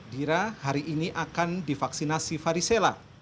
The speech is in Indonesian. dira hari ini akan divaksinasi varisela